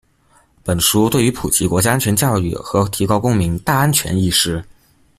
本书对于普及国家安全教育和提高公民“大安全”意识